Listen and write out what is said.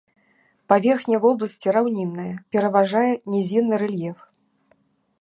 Паверхня вобласці раўнінная, пераважае нізінны рэльеф.